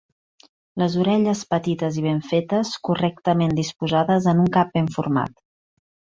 Les orelles petites i ben fetes, correctament disposades en un cap ben format.